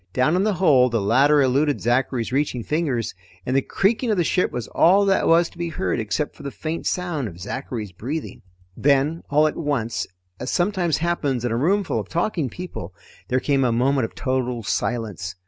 Down in the hold the ladder eluded Zachary's reaching fingers, and the creaking of the ship was all that was to be heard except for the faint sound of Zachary's breathing. Then all at once, as sometimes happens in a roomful of talking people, there came a moment of total silence.